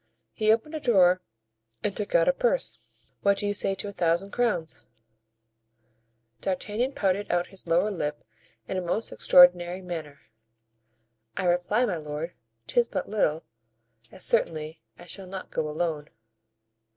He opened a drawer and took out a purse. "What do you say to a thousand crowns?" D'Artagnan pouted out his lower lip in a most extraordinary manner. "I reply, my lord, 'tis but little, as certainly I shall not go alone."